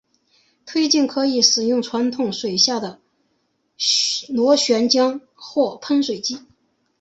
推进可以使用传统水下螺旋桨或喷水机。